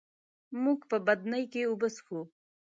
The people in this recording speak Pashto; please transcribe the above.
موږ په بدنۍ کي اوبه څښو.